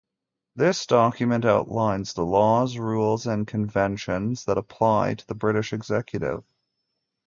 This document outlines the laws, rules and conventions that apply to the British executive.